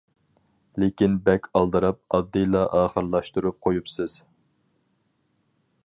لېكىن بەك ئالدىراپ ئاددىيلا ئاخىرلاشتۇرۇپ قويۇپسىز.